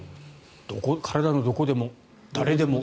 体のどこでも、誰でも。